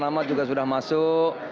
selamat juga sudah masuk